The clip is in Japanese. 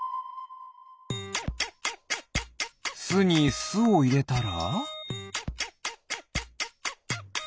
すにすをいれたら？